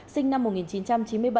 sinh năm một nghìn chín trăm chín mươi bảy